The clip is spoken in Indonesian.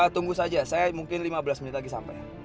tunggu saja saya mungkin lima belas menit lagi sampai